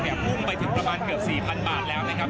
พุ่งไปถึงประมาณเกือบ๔๐๐๐บาทแล้วนะครับ